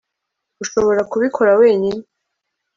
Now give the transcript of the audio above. ushobora kubikora wenyine